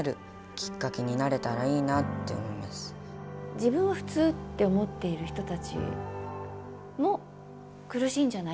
自分は普通って思っている人たちも苦しいんじゃないか。